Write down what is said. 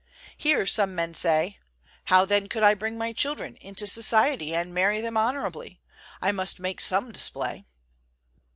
Here some men say: "How then could I bring my children into society, and marry them honorably? I must make some display."